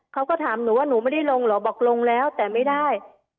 เขาก็ถามหนูว่าหนูไม่ได้ลงเหรอบอกลงแล้วแต่ไม่ได้